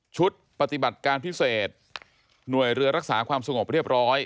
ชุดปฏิบัติการพิเศษหน่วยเรือรักษาความสงบเรียบร้อย